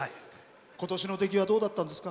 ことしのできはどうだったんですか？